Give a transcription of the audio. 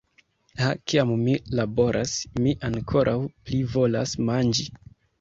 Ha, kiam mi laboras, mi ankoraŭ pli volas manĝi.